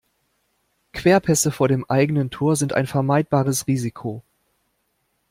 Querpässe vor dem eigenen Tor sind ein vermeidbares Risiko.